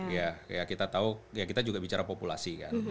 ya kita tahu ya kita juga bicara populasi kan